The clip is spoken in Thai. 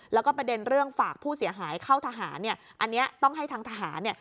แล้วก็ประเด็นเรื่องฝากผู้เสียหายเข้าทหารเนี่ยอันนี้ต้องให้ทางทหารเนี่ย